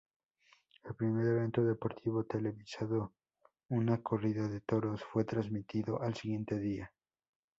El primer evento deportivo televisado, una corrida de toros, fue transmitido al siguiente día.